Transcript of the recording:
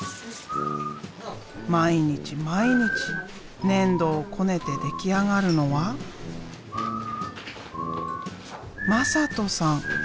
毎日毎日粘土をこねて出来上がるのは「まさとさん」。